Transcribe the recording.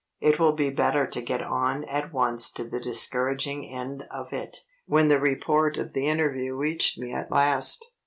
It will be better to get on at once to the discouraging end of it, when the report of the interview reached me at last.